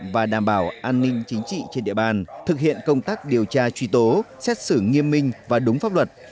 và đảm bảo an ninh chính trị trên địa bàn thực hiện công tác điều tra truy tố xét xử nghiêm minh và đúng pháp luật